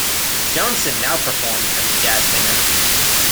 Johnson now performs as a jazz singer.